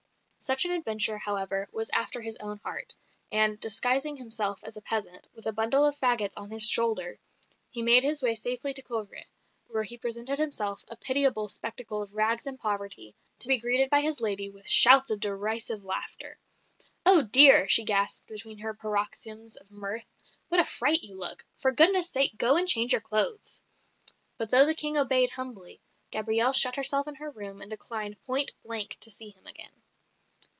Such an adventure, however, was after his own heart; and disguising himself as a peasant, with a bundle of faggots on his shoulder, he made his way safely to Coeuvres, where he presented himself, a pitiable spectacle of rags and poverty, to be greeted by his lady with shouts of derisive laughter. "Oh dear!" she gasped between her paroxysms of mirth, "what a fright you look! For goodness' sake go and change your clothes." But though the King obeyed humbly, Gabrielle shut herself in her room and declined point blank to see him again.